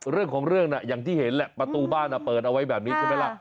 เรื่องของเรื่องน่ะอย่างที่เห็นแหละประตูบ้านเปิดเอาไว้แบบนี้ใช่ไหมล่ะ